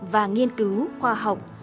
và nghiên cứu khoa học